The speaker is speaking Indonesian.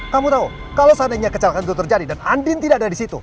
kamu tahu kalau seandainya kecelakaan itu terjadi dan andren tidak ada di situ